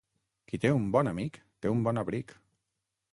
Qui té un bon amic, té un bon abric.